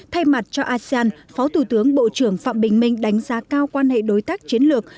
thay mặt cho asean phó thủ tướng bộ trưởng phạm bình minh đánh giá cao quan hệ đối tác chiến lược